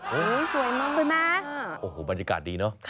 โอ้ยสวยมากค่ะสวยมั้ยโอ้โฮบรรยากาศดีเนอะ